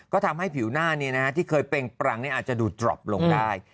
ก็ทำให้ผิวหน้าเนี่ยนะที่เคยเปร่งปรังเนี่ยอาจจะดูดดรอปลงได้